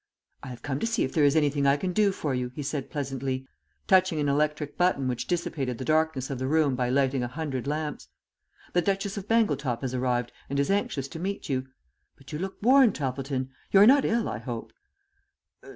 "I have come to see if there is anything I can do for you," he said pleasantly, touching an electric button which dissipated the darkness of the room by lighting a hundred lamps. "The Duchess of Bangletop has arrived and is anxious to meet you; but you look worn, Toppleton. You are not ill, I hope?"